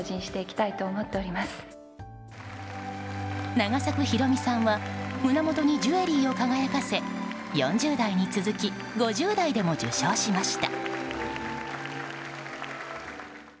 永作博美さんは胸元にジュエリーを輝かせ４０代に続き５０代でも受賞しました。